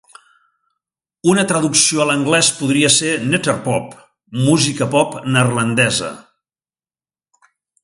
Una traducció a l'anglès podria ser "Netherpop" 'música pop neerlandesa'.